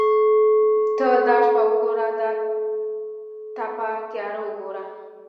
ته دا شپه وګوره دا تپه تیاره وګوره.